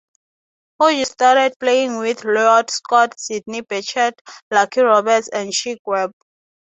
Hodges started playing with Lloyd Scott, Sidney Bechet, Lucky Roberts and Chick Webb.